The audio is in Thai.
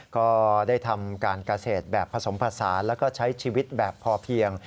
ก็ได้ทำการเกษตรแบบผสมผสานแล้วก็ใช้ชีวิตแบบพอเพียง